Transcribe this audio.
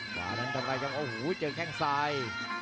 ด้านนั้นต้องกลายจังโอ้โหเจอแค่งซ้าย